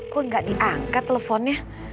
kok gak diangkat teleponnya